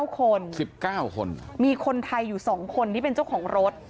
๙คน๑๙คนมีคนไทยอยู่๒คนที่เป็นเจ้าของรถ